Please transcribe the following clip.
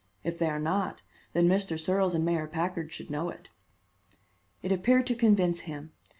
If they are not, then Mr. Searles and Mayor Packard should know it." It appeared to convince him.